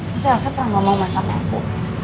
tentu elsa pernah ngomong masa mampu